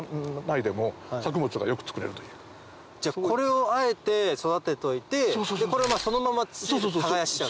じゃあこれをあえて育てといてこれをそのまま土で耕しちゃう。